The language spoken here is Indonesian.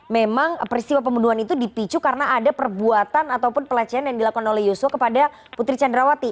memang peristiwa pembunuhan itu dipicu karena ada perbuatan ataupun pelecehan yang dilakukan oleh yusuf kepada putri candrawati